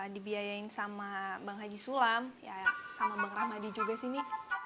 dibiayain sama bang haji sulam ya sama bang rahmadi juga sih mi